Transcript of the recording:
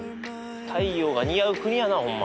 太陽が似合う国やなほんま。